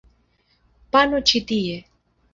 Pano ĉi tie!